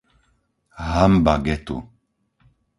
Hanba getu!